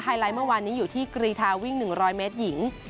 ไลท์เมื่อวานนี้อยู่ที่กรีทาวิ่ง๑๐๐เมตรหญิง